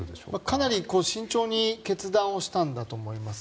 かなり慎重に決断したんだと思います。